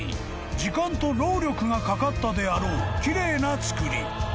［時間と労力がかかったであろう奇麗なつくり］